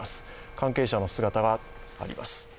関係者の姿があります。